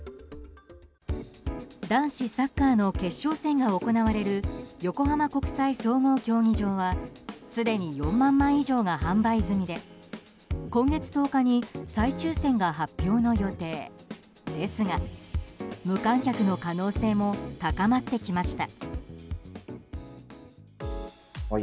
男子サッカーの決勝戦が行われる横浜国際総合競技場はすでに４万枚以上が販売済みで今月１０日に再抽選が発表の予定ですが無観客の可能性も高まってきました。